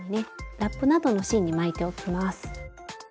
ラップなどの芯に巻いておきます。